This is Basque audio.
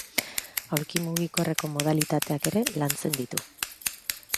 Aulki mugikorreko modalitateak ere lantzen ditu.